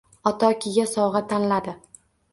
Otokiga sovg`a tanladi